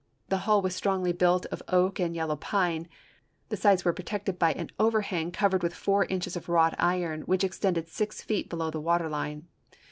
The hull was strongly built of oak and yellow pine ; the sides were protected by an overhang covered with four inches of wrought iron which extended six feet below the water line.